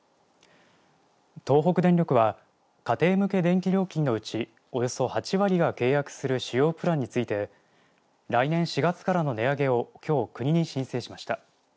東北電力は、家庭向け電気料金のうちおよそ８割が契約する主要プランについて来年４月からの値上げを、きょう国に申請しました。